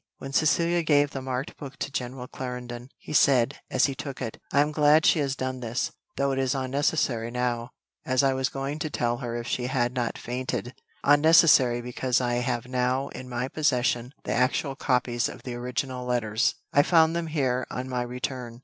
When Cecilia gave the marked book to General Clarendon, he said, as he took it, "I am glad she has done this, though it is unnecessary now, as I was going to tell her if she had not fainted: unnecessary, because I have now in my possession the actual copies of the original letters; I found them here on my return.